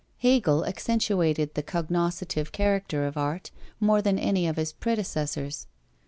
Hegel accentuated the cognoscitive character of art, more than any of his predecessors.